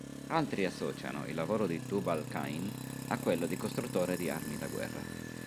Altri associano il lavoro di Tubal-cain a quello di costruttore di armi da guerra.